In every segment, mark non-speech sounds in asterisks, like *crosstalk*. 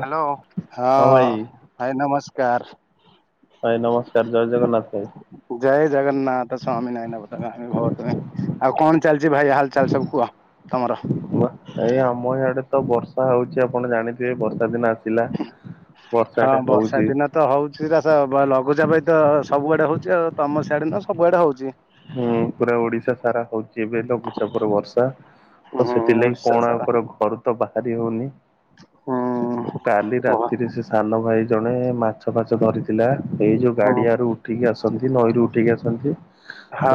Hello ହଁ, ଭାଇ ନମସ୍କାର। ଭାଇ ନମସ୍କାର, ଜୟ ଜଗନ୍ନାଥ ଭାଇ। ଜୟ ଜଗନ୍ନାଥ ସ୍ୱାମୀ ନୟନ ପଥ ଗାମୀ ଭବ ତୁମେ। ଆଉ କଣ ଚାଲିଛି ଭାଇ ହାଲ ଚାଲ ସବୁ କୁହ ତମର? ଉଆ, ଏଇ ଆମ ଇଆଡେ ତ ବର୍ଷା ହଉଛି ଆପଣ ଜାଣିଥିବେ ବର୍ଷା ଦିନ ଆସ ହଁ ବର୍ଷା ଦିନ ତ ହଉଛି ଶିରା ସା-ଲଘୁଚାପ ତ ସବୁଆଡେ ହଉଛି ଆଉ ତମ ସିଆଡ଼େ ନୁହଁ ସବୁଆଡେ ହଉଛି। ହୁଁ ପୁରା ଓଡିଶା ସାରା ହଉଛି ଏବେ ଲଘୁଚାପରେ ବର୍ଷା। ତ ହୁଁ ସେଥିଲାଗି ଓଡିଶା କଣ ଆଉ ସାରା କରିବୁ ଘରୁ ତ ବାହାରି ହଉନି। ହୁଁ କାଲି ହୁଁ ରାତିରେ ସେ ସାନ ଭାଇ ଜଣେ ମା ମାଛ ଫାଛ ଧରିଥିଲା। ଏଇ ଯୋଉ ହଁ ହଁ। ହୁଁ ଗାଡିଆରୁ ଉଠିକି ଆସନ୍ତି ନଈରୁ ଉଠିକି ଆସନ୍ତି।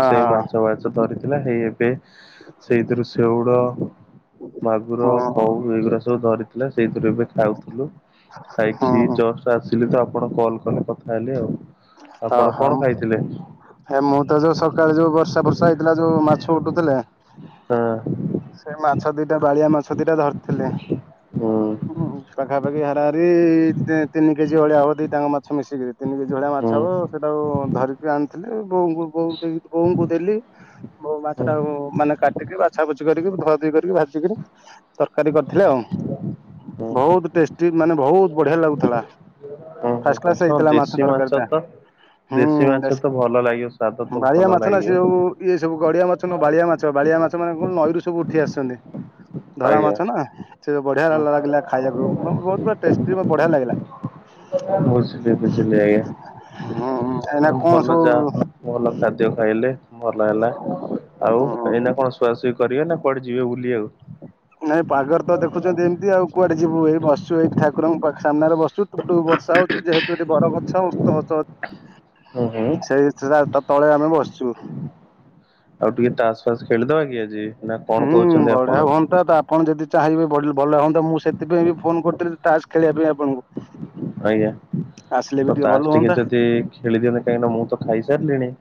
ସେଇ ମାଛ ବାଛ ଧରିଥିଲା ହେଇ ଏବେ ସେଇଥିରୁ ଶେଉଳ ମାଗୁର ହୁଁ। କଉ ଏଇଗୁଡା ସବୁ ଧରିଥିଲେ ସେଇଥିରୁ ଏବେ ଖାଉଥିଲୁ। ଖାଇକି ହଁ ଜଷ୍ଟ ଆସିଲି ତ ଆପଣ କଲ କଲେ କଥା ହେଲି ଆଉ। ଆପଣ କଣ ଖାଇଥିଲେ? ଭାଇ ମୁଁ ତ ଯୋଉ ସକାଳେ ଯୋଉ ବର୍ଷା ଫାର୍ଷା ହେଇଥିଲା ଯୋଉ ମାଛ ଉଠୁଥିଲେ ହଁ। ସେ ମାଛ ଦିଟା ବାଳିଆ ମାଛ ଦିଟା ଧରିଥିଲେ। ହୁଁ। ହୁଁ ପାଖାପାଖି ହାରାହାରି, ଦି ତିନି କେଜି ଭଳିଆ ହବ। ଦିଟା ଙ୍କ ମାଛ ମିଶିକିରି। ତିନି କେଜି ଭଳିଆ ହୁଁ ମାଛ ହୁଁ ହବ। ସେଟାକୁ ଧରିକି ଆଣିଥିଲେ ବୋଉଙ୍କୁ, ବୋଉ ଦେଇ ବୋଉଙ୍କୁ ଦେଲି ବୋଉ ମାଛ ହୁଁ। ଟାକୁ ମାନେ କାଟିକି ବାଛା ବୁଛି କରିକି ଧୁଆ ଧୁଇ କରିକି ଭାଜିକିରି ତରକାରି କରିଥିଲେ ଆଉ। ହୁଁ ବୋହୁତ୍ ଟେଷ୍ଟି ମାନେ ବୋହୁତ୍ ବଢିଆ ଲାଗୁଥିଲା। ହୁଁ ଫାଷ୍ଟ ହୁଁ କ୍ଲାସ ହଁ ହେଇଥିଲା ମାଛ ଦେଶୀ ତରକାରୀଟା। ତ ଦେଶୀ ମାଛ ତ ଭଲ ଲାଗିବ ସ୍ଵାଦ ତ ବାଳିଆ ଭଲ ମାଛ ନା ଲାଗିବ। ସେ ଉ ଇଏ ସବୁ ଗଡିଆ ମାଛ ନୁହ ବାଳିଆ ମାଛ। ବାଳିଆ ମାଛ ମାନେ କଣ ନଈରୁ ସବୁ ଉଠି ଆସିଛନ୍ତି। ଧଳା ଆଜ୍ଞା। ମାଛ ନା ସେ ବଢିଆ ଲା-ଲାଗିଲା। ହୁଁ ଖାଇବାକୁ ବହୁତ ବା ଟେଷ୍ଟି ବଢିଆ ଲାଗିଲା। ବୁଝିଲି ବୁଝିଲି ହୁଁ ଏଇନା ଆଜ୍ଞା। କଣ ଭଲ ଯାହା ସବୁ ହ ଭଲ ଖାଦ୍ୟ ଖାଇଲେ ଭଲ ହେଲା। ଆଉ ହଁ ଏଇନା କଣ ଶୁଆସୁଇ କରିବେ ନା କଣ? କୁଆଡ଼େ ଯିବେ ବୁଲିବାକୁ? ନାଇଁ ପାଗରେ ତ ଦେଖୁଛନ୍ତି ଏମିତି ଆଉ କୁଆଡେ ଯିବୁ। ଏଇ ବସିଚୁ ଏଇ ଠାକୁରଙ୍କ ପାଖରେ ସାମ୍ନାରେ ବସିଛୁ ଟୁପ ଟୁପ ବର୍ଷା ହଉଛି। ଯେହେତୁ ଏଠି ବର ଗଛ ଓସ୍ତ ଗଛ ଅ ହୁଁ ହୁଁ। ହେ ଥିଡା ତା ତଳେ ଆମେ ବସିଛୁ। ଆଉ ଟିକେ ଟାସ ଫାସ ଖେଳିଦବା କି ଆଜି ନା କଣ ହୁଁ କହୁଛନ୍ତି ବଢିଆ ଆପଣ? ହୁଅନ୍ତା ତ ଆପଣ ଯଦି ଚାହିଁବେେ ବ ଭଲ ହୁଅନ୍ତା ମୁଁ ସେଥିପାଇଁ ବି ଫୋନ କରୁଥିଲି ତାସ ଖେଳିବା ପାଇଁ ଆପଣଙ୍କୁ। ଆଜ୍ଞା। ଆସିଲେ ବି ତ ଭଲ ତାସ ଟିକେ ହୁଅନ୍ତା ଯଦି ଖେଳି ଦିଅନ୍ତେ, କାହିଁକି ନା ମୁଁ ତ ଖାଇ ସାରିଲିଣି।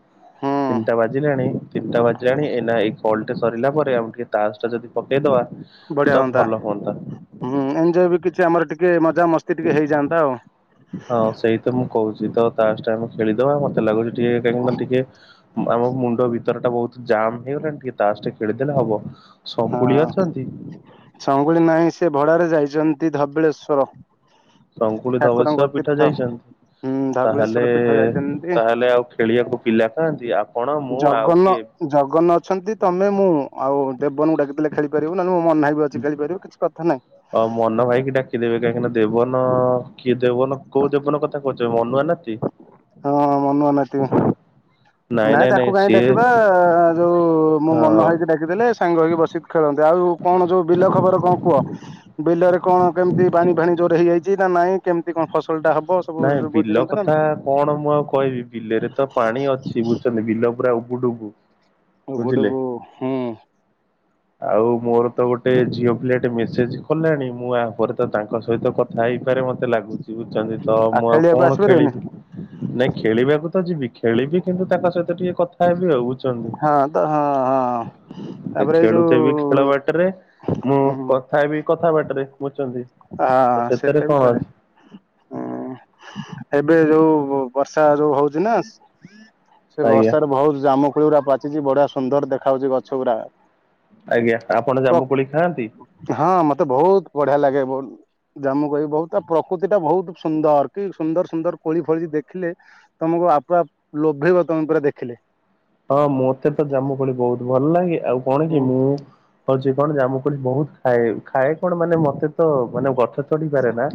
ହୁଁ ତିନିଟା ବାଜିଲାଣି ତିନିଟା ବାଜିଲାଣି ଏନା ଏଇ କଲଟେ ସରିଲା ପରେ ଆମେ ଟିକେ ତାସ ଟା ଯଦି ପକେଇଦବା। ବଢିଆ ତ ହୁଅନ୍ତା, ଭଲ ହୁଁ ଏଞ୍ଜୟ ବି କିଛି ଆମର ଟିକେ ମଜା ମସ୍ତି ଟିକେ ହେଇଯାଆନ୍ତା ଆଉ। ହଁ ସେଇ ତ ମୁଁ କହୁଛି ତ ତାସ ଟା ଆମେ ଖେଳିଦବା ମତେ ଲାଗୁଛି ଟିକେ କାହିଁକି ନା ଟିକେ ଉଁ ଆମ ମୁଣ୍ଡ ଭିତର ଟା ବହୁତ ଜାମ୍ ହେଇଗଲାଣି ଟିକେ ତାସ ଟେ ଖେଳିଦେଲେ ହବ। ହଁ ସଙ୍ଗୁଳି ଅଛନ୍ତି? ସଙ୍ଗୁଳି ନାହିଁ ସେ ଭଡ଼ାରେ ଯାଇଛନ୍ତି ଧବଳେଶ୍ଵର। ଶଙ୍କୁଳି ଠାକୁରଙ୍କ ଧବଳେଶ୍ୱର ପୀଠ ତୀର୍ଥ ଯାଇଛନ୍ତି? ହୁଁ ତାହେଲେ ଧବଳେଶ୍ଵର ପୀଠ ଯାଇଛନ୍ତି ତାହେଲେ ଆଉ ଖେଳିବାକୁ ପିଲା କାଆନ୍ତି ଆପଣ ମୁଁ ଆଉ ଜଗନ କିଏ? ଜଗନ ଅଛନ୍ତି, ତମେ, ମୁଁ, ଆଉ ଦେବନ କୁ ଡାକିଦେ ଖେଳି ପାରିବୁ, ନହେଲେ ମୋ ମନା ଭାଇ ବି ଅଛି ଖେଳିପାରିବୁ କିଛି କଥା ନାହିଁ। ଅ ମନ ଭାଇକି ଡାକିଦେବେ କାହିଁକିନା ଦେବନ କିଏ ଦେବନ କୋଉ ଦେବନ କଥା କହୁଛ ମନୁଆ ନାତି? ହଁ ହଁ ମନୁଆ ନାତି। ନାଇଁ ତାକୁ କାହିଁ ଡାକିବା ଯୋଉ ମୁଁ ମନୁଆ ହଁ। ଭାଇକି ଡାକ ଦେଲେ ସାଙ୍ଗ ହେଇକି ବସିିକି ଖେଳନ୍ତେ ଆଉ କଣ ଯୋଉ ବିଲ ଖବର କଣ କୁହ? ବିଲରେ କଣ କେମିତି ପାଣି ଫାଣି ଜୋର ହେଇଯାଇଛି ନା ନାଇଁ କେମିତି କଣ ଫସଲ ଟା ହବ ସବୁ ନାଇଁ ବିଲ ବୁଝିଛନ୍ତି ନା? କଥା କଣ ମୁଁ ଆଉ କହିବି ବିଲରେ ତ ପାଣି ଅଛି ବୁଝୁଛନ୍ତି ବିଲ ପୁରା ଉବୁଡୁବୁ। ଗୁଡୁବୁ ହୁଁ। ଆଉ ମୋର ତ ଗୋଟେ ଝିଅ ପିଲା ଟେ ମେସେଜ କଲାଣି ମୁଁ ଆ ପରେ ତ ତାଙ୍କ ସହିତ କଥା ଥାଇପାରେ ମତେ ଲାଗୁଛି, ବୁଝୁଛନ୍ତି ତ ମୁଁ ଆଉ ଆଖାଳିଆକୁ କଣ ଆସିପାରିବେନି ଖେଳିବି? ନାଇଁ ଖେଳିବାକୁ ତ ଯିବି ଖେଳିବି କିନ୍ତୁ ତାଙ୍କ ସହିତ ଟିକେ କଥା ହେବି ଆଉ ବୁଝୁଛନ୍ତି। ହଁ ତ ହଁ ହଁ। ତାପରେ ଏଇ ଯୋଉ ଖେଳୁଥିବିି ଖେଳ ବାଟରେ ମୁଁ ହୁଁ କଥା ହେବି କଥା ବାଟରେ ବୁଝୁଛନ୍ତି। ତ ଆଁ ସେଥିରେ ସେଟା କଣ ବି ଚଳିବ। ଅଛି ହୁଁ ଏବେ ଯୋଉ ବର୍ଷା ଯୋଉ ହଉଛି ନା। ସେ ଆଜ୍ଞା ବର୍ଷାରେ ବହୁତ ଜାମୁକୋଳିଉରା ପାଚିଛି ବଢିଆ ସୁନ୍ଦର ଦେଖା ହଉଛି ଗଛ ଗୁରା। ଆଜ୍ଞା ଆପଣ ପ୍ର- ଜାମୁ କୋଳି ଖାଆନ୍ତି? ହଁ ମତେ ବହୁତ ବଢିଆ ଲାଗେ। ବହୁ ଜାମୁ କୋଳି ବହୁତ ତା ପ୍ରକୃତି ଟା ବହୁତ ସୁନ୍ଦର କି ସୁନ୍ଦର ସୁନ୍ଦର କୋଳି ଫଳିଛି ଦେଖିଲେ। ତମକୁ ଆପା ପ ଲୋଭେଇବ ତମେ ପୁରା ଦେଖିଲେ। ହଁ ମୋତେ ତ ଜାମୁକୋଳି ବହୁତ ଭଲ ଲାଗେ ଆଉ କଣ କି ହୁଁ ମୁଁ ହଉଛି କଣ ଜାମୁକୋଳି ବହୁତ ଖାଏ, ଖାଏ କଣ ମାନେ ମତେ ତ ମାନେ ଗଛ ଚଢିପାରେ ନା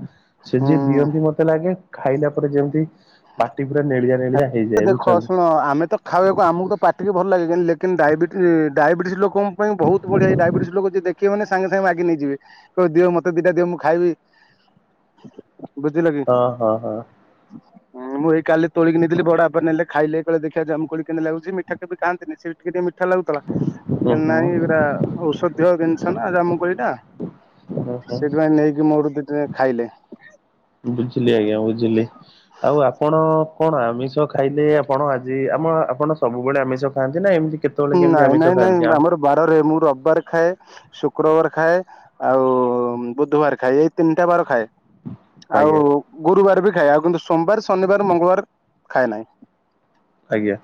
ସେ ହୁଁ ଯିଏ ଦିଅନ୍ତି ମତେ ଲାଗେ ଖାଇଲା ପରେ ଯେମିତି ପାଟି ପୁରା ନେଳିଆ ନେଳିଆ ହେଇଯାଏ ବୁଝିଛନ୍ତି? ହଁ ଆମେ ତ ଖାଇବାକୁ ଆମକୁ ତ ପାଟିକି ଭଲ ଲାଗେ ବି ଲେକିନ ଡାଇବେଟି ଡାଇବେଟିସ୍ ଲୋକଙ୍କ ପାଇଁ ବହୁତ ବଢ଼ିଆ ଡାଇବେଟିସ୍ ଲୋକ ଯଦି ଦେ କିଏ ମାନେ ସାଙ୍ଗେ ସାଙ୍ଗେ ମାଗି ନେଇଯିବେ କହିବେ ଦିଅ ମତେ ଦିଟା ଦିଅ ମୁଁ ଖାଇବି। ବୁଝିିଲକି? ଓ ହଁ। ହଁ ମୁଁ ଏଇ କାଲି ତୋଳିକି ନେଇଥିଲି ବଡ଼ବାପା ନେଲେ ଖାଇଲେ କହିଲେ ଦେଖିଆ ଜାମୁକୋଳି କେମିତି ଲାଗୁଚି ମିଠା କେବେ ଖାନ୍ତିନି ସେ ବି ଟିକେ ମି ଇଠା ଲାଗୁଥିଲା, ହୁଁ ହେ ହୁଁ ନାହି ଏଗୁଡା ଔଷଧୀୟ ଜିନିଷ ନା ଜାମୁକୋଳିଟା। ହୁଁ ହୁଁ ସେଇଥିପାଇଁ ନେଇକି ମୋଠୁ ଦିଟା ଖାଇଲେ। ବୁଝିଲି ଆଜ୍ଞା ବୁଝିଲି ଆଉ ଆପଣ କଣ ଆମିଷ ଖା ଖାଇଲେ ଆପଣ ଆଜି ଆମ ଆପଣ ସବୁବେଳେ ଆମିଷ ଖାଆନ୍ତି ନା ଏମିତି କେତେ? ନାଇଁ ନାଇଁ ନାଇଁ ଆମର ବାରରେ ମୁଁ ରବିବାର ଖାଏ। ଶୁକ୍ରବାର ଖାଏ ଆଉ ବୁଧବାର ଖାଏ ଏଇ ତିନିଟା ବାର ଖାଏ। ଆଉ ଆଜ୍ଞା ଗୁରୁବାର ବି ଖାଏ ଆଉ କିନ୍ତୁ ସୋମବାର ଶନିବାର ମଙ୍ଗଳବାର ଖାଏ ନାହିଁ। ଆଜ୍ଞା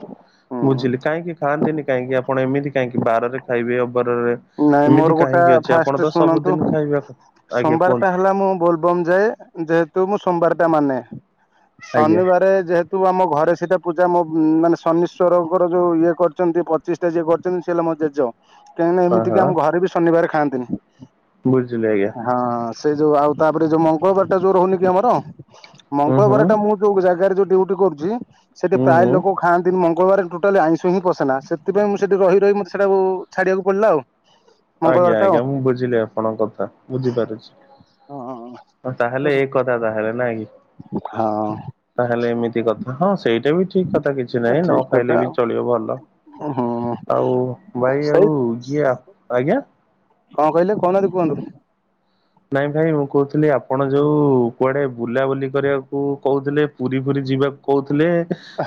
ହୁଁ ବୁଝିଲି କାହିଁକି ଖାଆନ୍ତିନି କାହିଁକି ଆପଣ ଏମିତି କାହିଁକି ବାରରେ ଖାଇବେ ଅବାରରେ ନାଇଁ ଏମିତି ମୋର ଗୋଟା କାହିଁକି ଅଛି ଆପଣ ଫାଷ୍ଟ ତ ଶୁଣନ୍ତୁ ସବୁଦିନ ଖାଇବା କଥା ଆଜ୍ଞା ସୋମବାରଟା କୁହନ୍ତୁ ହେଲା ମୋ ବୋଲ ବମ୍ ଯାଏ ଯେହେତୁ ମୁଁ ସୋମବାର ଟା ମାନେ। ଆଜ୍ଞା ଶନିବାରେ ଯେହେତୁ ତୁ ଆମ ଘରେ ସେଇଟା ପୂଜା ମୋ ମାନେ ଶନିଶ୍ଚରଙ୍କର ଯୋଉ ଇଏ କରିଚନ୍ତି ପଚିଶ ଯିଏ କରିଚନ୍ତି ସିଏ ହେଲା ମୋ ଜେଜ କାହିଁକିନା ହଁ ଏମିତିକି ହଁ ଆମ ଘରେ ବି ଶନିବାର ଖାଆନ୍ତିନି। ବୁଝିଲି ଆଜ୍ଞା। ହଁ ସେ ଯୋଉ ଆଉ ତାପରେ ଯୋଉ ମଙ୍ଗଳବାର ଟା ଯୋଉ ରହୁନି କି ଆମର ହୁଁ ହୁଁ ମଙ୍ଗଳବାର ଟା ମୁଁ ଯୋଉ ଜାଗାରେ ଯୋଉ ଡିଉଟି କରୁଚି ସେଠି ହୁଁ ପ୍ରାୟ ହୁଁ ଲୋକ ଖାଆନ୍ତିନି ମଙ୍ଗ ଗଳବାରେ ଟୋଟାଲି ଆଇଁଷୁ ହିଁ ପଶେନା ସେଥିପାଇଁ ମୁଁ ସେଠି ରହି ରହି ମତେ ସେଟାକୁ ଛାଡ଼ିବାକୁ ପଡ଼ିଲା ଆଉ। ମଙ୍ଗଳବାର ଆଜ୍ଞା ଟା ଆଉ ଆଜ୍ଞା ମୁଁ ବୁଝିଲି ଆପଣଙ୍କ କଥା ବୁଝିପାରୁଚି। ଅ ତାହେଲେ ହଁ ଏ କଥା ତାହେଲେ ନା କି। ହଁ ତାହେଲେ ଏମିତି କଥା ହଁ ସେଇଟା ବି ଠିକ କଥା କିଛି ନାହିଁ ନ ଠିକ କଥା ଖାଇଲେ ବି ଆଉ ଚଳିବ ଭଲ। ହୁଁ ଆଉ ଭାଇ ସେଇ ଆଉ ଇଏ ଆ ଆଜ୍ଞା କଣ କହିଲେ କହୁନାହାନ୍ତି କୁହନ୍ତୁ। ନାଇଁ ଭାଇ ମୁଁ କହୁଥିଲି ଆପଣ ଯୋଉ କୁଆଡେ ବୁଲାବୁଲି କରିବାକୁ କହୁଥିଲେ ପୁରୀ ପୁରୀ ଯିବାକୁ କହୁଥିଲେ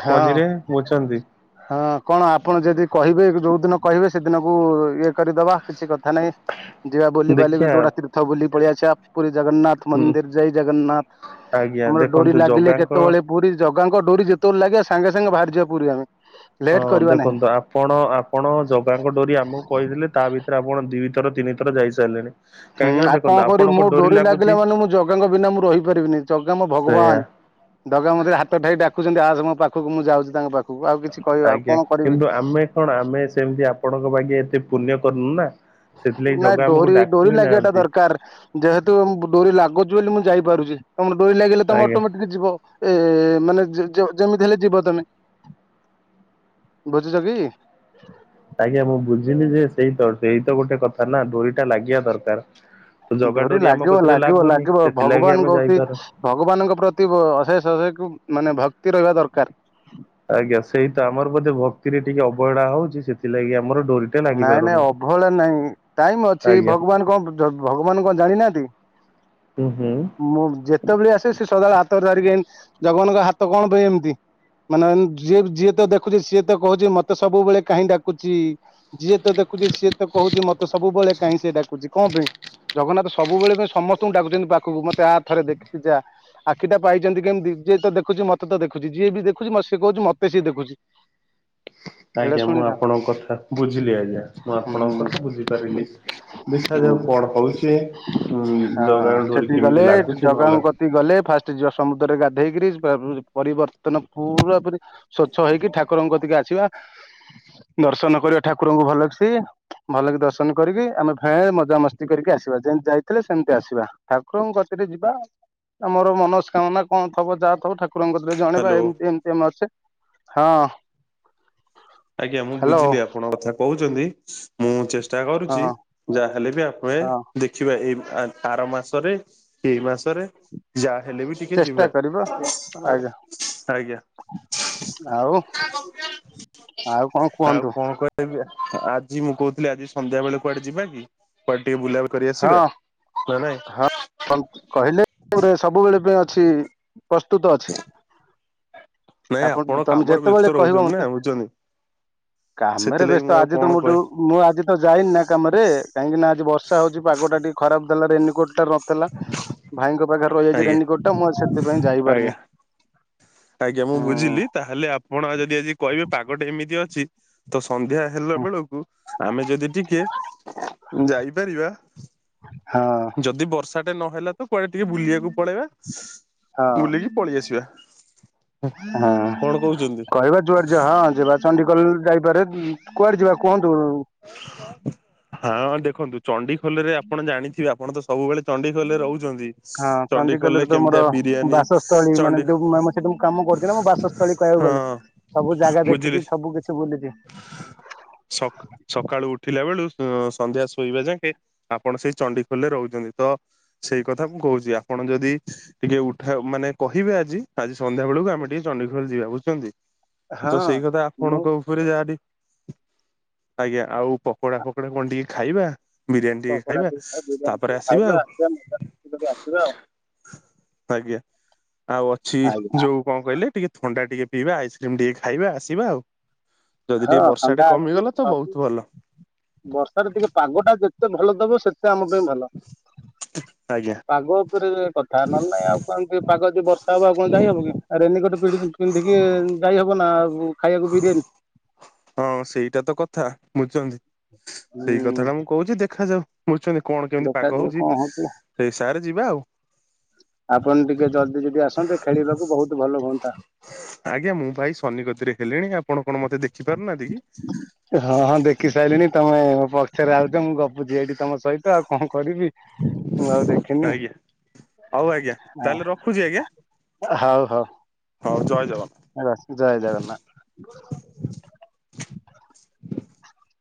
ହଁ ମଝିରେ ବୁଝୁଚନ୍ତି ହଁ କଣ ଆପଣ ଯଦି କହିବେ ଯୋଉ ଦିନ କହିବେ ସେଦିନକୁ ଇଏ କରିଦବା କିଛି କଥା ନାଇଁ ଯିବା ବୁଲିିବାଲି କି ଦେଖିଆ ଯୋଉଟା ତୀର୍ଥ ବୁଲିକି ପଳେଇଆସିବା ପୁରୀ ଜଗନ୍ନାଥ ହୁଁ ମନ୍ଦିର ଯାଇ ଜଗନ୍ନାଥ ଆଜ୍ଞା ଆମର ଡୋରି ଦେଖନ୍ତୁ ଲାଗିଲେ ଜଗାଙ୍କ କେତେବେଳେ ପୁରୀ ଜଗାଙ୍କ ଡୋରି ଯେତେବେଳେ ଲାଗିବା ସାଙ୍ଗେ ସାଙ୍ଗେ ବାହାରିଯିବା ପୁରୀ ଆମେ। ହଁ ଲେଟ୍ କରିବା ନାହିଁ। ଦେଖନ୍ତୁ ଆପ୍ କଣ ଆପଣ ଜଗାଙ୍କ ଡୋରି ଆମକୁ କହିଥିଲେ ତା ଭିତରେ ଆପଣ ଦି ଥର ତିନି ଥର ଯାଇସାରିଲେଣି। ହୁଁ ଆଉ କଣ କରିବି ମୋ ଡୋରି ଲାଗିଲା ମାନେ ମୁଁ ଜଗାଙ୍କ ବିନା ମୁଁ ରହିପାରିବିନି ଜଗା ମୋ ସେଇଆ ଭଗବାନ। ଜଗା ମତେ ହାତ ଠାରି ଡାକୁଚନ୍ତି ଆସେ ମୋ ପାଖକୁ ମୁଁ ଯାଉଚି ତାଙ୍କ ପାଖକୁ ଆଉ କିଛି କହିବି ଆଉ ଆଜ୍ଞା କଣ କରିବି କିନ୍ତୁ ଆମେ କଣ ଆମେ ସେମିତି ଆପଣଙ୍କ ବାଗେ ଏତେ ପୁଣ୍ୟ କରନୁ ନା। ସେଥିଲାଗି ନାଇଁ ଜଗା ଆମକୁ ଡୋରି ଡାକୁ ଡୋରି ହିଁ ଲାଗିବା ଟା ନାହାନ୍ତି ଦରକାର। ଯେହେତୁ ଡୋରି ଲାଗୁଚି ବୋଲି ମୁଁ ଯାଇପାରୁଚି ତମ ଡୋରି ଲାଗିଲେ ତମେ ଆଜ୍ଞା। ଅଟୋମେଟିକ ଯିବ। ଏ ମାନେ ଯେ-ଯୋ-ଯେମିତି ହେଲେ ଯିବ ତମେ ବୁଝୁଛ କି? ଆଜ୍ଞା ମୁଁ ବୁଝିଲି ଯେ ସେଇତ ସେଇତ ଗୋଟେ କଥା ନା ଡୋରିଟା ଲାଗିବା ଦରକାର। ତ ଜଗା ଡୋରି ଆମ ଲାଗିବ କତିରେ ଲାଗିବ ଲାଗୁନି ଲାଗିବ ସେଥିଲାଗି ଆମେ ଭଗବାନଙ୍କ ଉତି ଯାଇପାରୁ ଭଗବାନଙ୍କ ପ୍ରତି ବ ଅଶେଷ ଅଶେକେ ମାନେ ଭକ୍ତି ରହିବା ଦରକାର। ଆଜ୍ଞା ସେଇ ତ ଆମର ବୋଧେ ଭକ୍ତିରେ ଟିକେ ଅବହେଳା ହଉଛି ସେଥିଲାଗି ଆମର ଡୋରିଟା ଲାଗି ନାଇଁ ନାଇଁ ପାରୁନି। ଅବହେଳା ନାହି। ଟାଇମ ଅଛି ଆଜ୍ଞା ଭଗବାନ କଣ ଭଗବାନ କଣ ଜାଣି ନାହାନ୍ତି। ହୁଁ ହୁଁ। ମୁଁ ଯେ ସେତ ଭଳେ ଆସେ ସେ ସଦାବେଳେ ହାତରେ ଧରିକି ଜଗନ୍ନାଥ ହାତ କଣ ପାଇଁ ଏମିତି। ମାନେ ଯିଏ ଯିଏ ତ ଦେଖୁଚୁ ସିଏ ତ କୋହୁଚି ମତେ ସବୁବେଳେ କାହିଁ ଡାକୁଚି। ଯିଏ ତ ଦେଖୁଛି ସିଏ ତ କହୁଛି ମତେ ସବୁବେଳେ କାହିଁ ସେ ଡାକୁଛି। କଣ ପାଇଁ ଜଗନ୍ନାଥ ସବୁବେଳେ ପାଇଁ ସମସ୍ତଙ୍କୁ ଡାକୁଛନ୍ତି ପାଖକୁ ମତେ ଆ ଥରେ ଦେଖିକି ଯା। ଆଖିଟା ପାଇଛନ୍ତି କେମିତି ଯିଏ ତ ଦେଖୁଚି, ମତେ ତ ଦେଖୁଚି, ଯିଏ ବି ଦେଖୁଛି ମତେ ସେ କୋହୁଚି ମତେ ସିଏ ଦେଖୁଚି। ଆଜ୍ଞା ମୁଁ ଆପଣଙ୍କ କଥା ବୁଝିଲି ଆଜ୍ଞା ମୁଁ ହୁଁ ଆପଣଙ୍କ କଥା ବୁଝିପାରିଲି। ହୁଁ ଦେଖାଯାଉ କଣ ହେଉଛି। ହୁଁ ହଁ ଜଗା ଙ୍କ ଡୋରି ସେଠି ଗଲେ କେମିତି ଲାଗୁଛି ନ ଜଗାଙ୍କ ହେଲେ? କତି ଗଲେ ଫାଷ୍ଟ ଯିବା ସମୁଦ୍ରରେ ଗାଧେଇକିରି ପରିବର୍ତ୍ତନ ପୁରା ପରି ସଚ୍ଛ ହେଇକି ଠାକୁରଙ୍କ କତି କି ଆସିବା, ଦର୍ଶନ କରିବା ଠାକୁରଙ୍କୁ ଭଲ ସେ। ଭଲକି ଦର୍ଶନ କରିକି ଆମେ ଫେରେ ମଜାମସ୍ତି କରିକି ଆସିବା ଯେମତି ଯାଇଥିଲେ ସେମିତି ଆସିବା। ଠାକୁରଙ୍କ କତିରେ ଯିବା ଆମର ମନସ୍କାମନା କଣ ଥବ ଯାହା ଥବ ଠାକୁର ଠାକୁରଙ୍କ କତି ରେ ଜଣେଇବା ହ୍ୟାଲୋ ଏମିତି ଏମତି ଆମେ ଅଛେ ହଁ। ଆଜ୍ଞା ମୁଁ ହ୍ୟାଲୋ ବୁଝିଲି ଆପଣଙ୍କ କଥା କହୁଛନ୍ତି। ମୁଁ ଚେଷ୍ଟା ହଁ କରୁଛି ଯାହାହେଲେ ବି ଆପଣେ ହଁ ଦେଖ ଥିବା ଏଇ ଆର ମାସରେ ଏଇ ମାସରେ ଯା ହେଲେ ବି ଟିକେ ଚେଷ୍ଟା ଯିବା କରିବା ଆଜ୍ଞା। ଆଉ କଥା ଗପିଇବା ର ଅଛି। ଆଉ କଣ ଆଉ କୁହନ୍ତୁ କଣ କହିବି ଆଜି ମୁଁ କହୁଥିଲି ଆଜି ସନ୍ଧ୍ୟା ବେଳେ କୁଆଡେ ଯିବା କି? କୁଆଡେ ଟିକେ ବୁଲାବଲି କରି ଆସିବା ନା ନାଇଁ? କନଫର୍ମ କହିଲେ ସବୁବେଳେ ପାଇଁ ଅଛି ପ୍ରସ୍ତୁତ ଅଛି। ନାଇଁ ଆପଣ ତମେ କାମରେ ବ୍ୟସ୍ତ ଯେତେବେଳେ କହିବ ରହୁଛନ୍ତି ନା ମତେ ବୁଝୁଛନ୍ତି। କାମରେ ସେଥିଲାଗି ମୁଁ ବ୍ୟସ୍ତ ଆଉ ଆଜି କଣ ତମଠୁ କହେ ମୁଁ ଆଜି ତ ଯାଇନି ନା କାମରେ, କାହିଁକି ନା ଆଜି ବର୍ଷା ହଉଛି ପାଗଟା ଟିକେ ଖରାପ ଦେଲା ରେନିକୋର୍ଟ ଟା ନଥି ଥିଲା ଭାଇଙ୍କ ପାଖରେ ରହିଯାଇଛି ଆଜ୍ଞା ରେନିକୋଟ ଟା ମୁଁ ଆଜି ସେଥିପାଇଁ ଆଜ୍ଞା ଯାଇପାରିନି। ଆଜ୍ଞା ମୁଁ ହୁଁ ବୁଝିଲି ତାହେଲେ ଆପଣ ଯଦି ଆଜି କହିବେ ପାଗଟେ ଏମିତି ଅଛି। ତ ସନ୍ଧ୍ୟା ହେଲା ହଁ। ବେଳକୁ ଆମେ ଯଦି ଟିକେ ଯାଇପାରିବା ହଁ। ଯଦି ବର୍ଷା ଟେ ନହେଲା ତ କୁଆଡେ ଟିକେ ବୁଲିବାକୁ ପଳେଇବା ବୁଲିକି ପଳେଇ ଆସିବା। ହଁ କଣ କହୁଛନ୍ତି? କହିବା ଯୁଆ ଯ ହଁ ଯିବା। ଚଣ୍ଡିଖୋଲ ଯାଇପାରେ କୁଆଡେ ଯିବା କୁହନ୍ତୁ। ହଁ ଦେଖନ୍ତୁ ଚଣ୍ଡିଖୋଲରେ ଆପଣ ଜାଣିଥିବେ ଆପଣ ତ ସବୁବେଳେ ଚଣ୍ଡିଖୋଲରେ ରହୁଚନ୍ତି ହଁ ଚଣ୍ଡିଖୋଲରେ ତ ମୋର କେମିତିଆ ବିରିୟାନୀ ବାସସ୍ଥଳୀ ମାନେ ଚଣ୍ଡି ଯୋଉ ସେଠି ମୁଁ କାମ କରୁଛି ନା ମୋ ବାସସ୍ଥଳୀ କହିବାକୁ ଗଲେ। ସବୁ ଜାଗା ଦେଖିଛି ସବୁ କିଛି ବୁଲିଛି। *unintelligible* ସଖ ସକାଳୁ ଉଠିଲା ବେଳୁ ସନ୍ଧ୍ୟା ଶୋଇବା ଯାକେ ଆପଣ ସେଇ ଚଣ୍ଡିଖୋଲ ରେ ରହୁଛନ୍ତି ତ ସେଇ କଥା ମୁଁ କହୁଛି ଆପଣ ଯଦି ଟିକେ ଉଠା ମାନେ କହିବେ ଆଜି ଆଜି ସନ୍ଧ୍ୟା ବେଳକୁ ଆମେ ଟିକେ ଚଣ୍ଡିଖୋଲ ଯିବା ବୁଝୁଛନ୍ତି। ହଁ ତ ସେଇ କଥା ମୁଁ ଆପଣଙ୍କ ଉପରେ ଯାହାଠି ଆଜ୍ଞା ଆଉ ପକୋଡା ଫକୋଡା କଣ ଟିକେ ଖାଇବା? ବିରିୟାନୀ ଟିକେ ପକୋଡା ଖାଇବା, ଖାଇ ବିରିୟାନୀ ତାପରେ ଟିକେ ଆସିବା ଖାଇବା ଆଉ। ମଜା କରି ଆସିବା ଆଉ ଆଜ୍ଞା ଆଉ ଅଛି ଆଜ୍ଞା ଯୋଉ କଣ କହିଲେ ଟିକେ ଥଣ୍ଡା ଟିକେ ପିଇବା ଆଇସ୍କ୍ରିମ୍ ଟିକେ ଖାଇବା ଆସିବା ଆଉ। ଯଦି ହଁ ଟିକେ ବର୍ଷା ଟେ ଥଣ୍ଡା ହେଇବ କମିଗଲା ତ ବହୁତ ସବୁ ଭଲ ବର୍ଷାରେ ଟିକେ ପାଗଟା ଯେତେ ଭଲ ଦବ ସେତ ତେ ଆମ ପାଇଁ ଭଲ ଆଜ୍ଞା ପାଗ ଉପରେ କ ତାନହେଲେ ଆଉ କେମତି ପାଗ ଯଦି ବର୍ଷା ହବ ଆଉ କଣ ଯାଇହବ କି ଆ ରେନିକଟ୍ ପିନ୍ଧିକି ଯାଇହବ ନା ଆଉ ଖାଇବାକୁୁ ବିରିଆନି। ହଁ ସେଇଟା ତ କଥା ବୁଝୁଚନ୍ତି ସେଇ କଥା ଟା ହୁଁ ମୁଁ କହୁଚି ଦେଖାଯାଉ। ବୁଝୁଚନ୍ତି କଣ କେମିତି ପାଗ ଦେଖାଯାଉ ହଉଚି କଣ ହଉଛି ସେଇ ସାରେ ଯିବା ଆଉ। ଆପଣ ଟିକେ ଜଲଦି ଯଦି ଆସନ୍ତେ ଖେଳିବାକୁ ବହୁତ ଭଲ ହୁଅନ୍ତା। ଆଜ୍ଞା ମୁଁ ପା ଏଇ ସନିକତିରେ ହେଲିଣି ଆପଣ କଣ ମତେ ଦେଖି ପାରୁନାହାନ୍ତି କି? ହଁ ହଁ ଦେଖି ସାରିଲିଣି ତମେ ମୋ ପଛରେ ଆଉଚ ମୁଁ ଗପୁଚି ଏଇଠି ତମ ସହିତ ଆଉ କଣ କରିବି। ମୁଁ ଆଉ ଦେଖିନି। ଆଜ୍ଞା ହଉ ଆଜ୍ଞା ତାହେଲେ ରଖୁଚି ଆଜ୍ଞା। ହଉ ଜୟ ଜଗନ୍ନାଥ। ରଖଚି ଜୟ ଜଗନ୍ନାଥ। *inaudible*